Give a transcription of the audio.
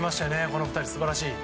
この２人、素晴らしい。